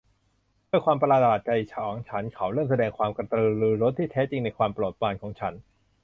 ด้วยความประหลาดใจของฉันเขาเริ่มแสดงความกระตือรือร้นที่แท้จริงในความโปรดปรานของฉัน